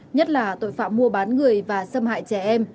nhất là tội phạm mua bán người và xâm hại trẻ em